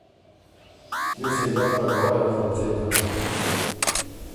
تیوس يې ګپ لګوئ ازل څېکم۔